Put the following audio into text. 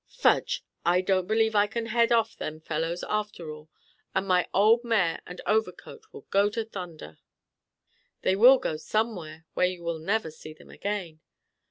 "Fudge! I don't believe I can head off them fellows after all, and my old mare and overcoat will go to thunder." "They will go somewhere where you will never see them again."